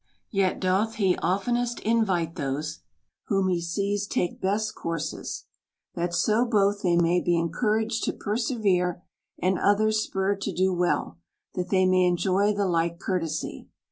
Yet doth he oftenest invite those, whom he sees take best courses ; that so both they may be encouraged to persevere, and others spurred to do well, that they may enjoy the like courtesy.